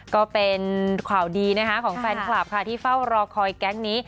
ก็เป็นข่าวดีนะคะของแฟนคลับค่ะที่เฝ้ารอคอยแก๊งนี้